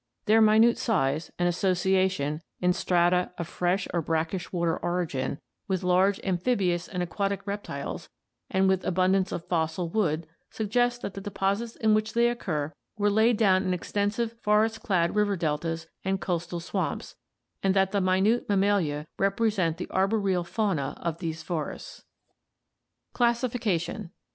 ... Their minute size, and associa tion, in strata of fresh or brackish water origin, with large amphibious and aquatic reptiles and with abundance of fossil wood, suggest that the deposits in which they occur were laid down in extensive forest clad river deltas and coastal swamps, and that the minute Mammalia rep resent the arboreal fauna of these forests." Classification.